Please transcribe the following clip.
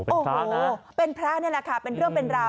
โอ้โหเป็นพระนี่แหละค่ะเป็นเรื่องเป็นราว